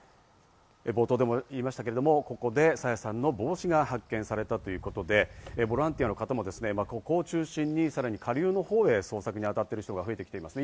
冒頭でも言いましたけれども、ここで朝芽さんの帽子が発見されたということで、ボランティアの方もここを中心にさらに下流のほうへ捜索に当たっている人が増えてきています。